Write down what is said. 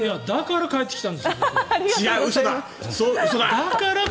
だから帰ってきたんです。